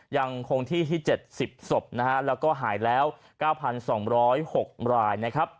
ยังคงที่ที่๗๐ศพนะฮะแล้วก็หายแล้ว๙๒๐๖รายนะครับ